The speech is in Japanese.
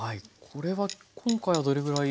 これは今回はどれぐらい？